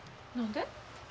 何で？